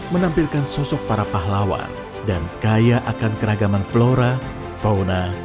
menampilkan sosok para pahlawan dan kaya akan keragaman flora fauna